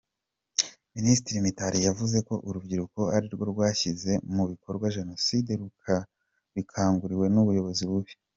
Minisitiri Mitali yavuze ko urubyiruko arirwo rwashyize mu bikorwa Jenoside rubikanguriwe n’ubuyobozi bubi.